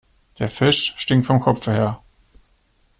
Der Fisch stinkt vom Kopfe her.